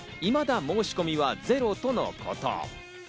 いまだ申し込みはゼロとのこと。